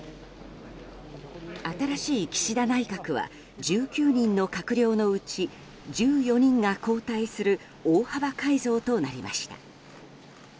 新しい岸田内閣は１９人の閣僚のうち１４人が交代する大幅改造となりました。